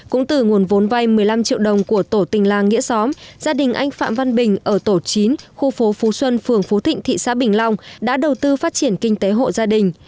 cũng từ nguồn vốn vay một mươi năm triệu đồng của tổ tình làng nghĩa xóm gia đình anh phạm văn bình ở tổ chín khu phố phú xuân phường phú thịnh thị xã bình long đã đầu tư phát triển kinh tế hộ gia đình